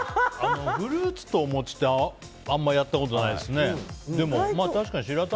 フルーツとお餅ってあんまりやったことないですね。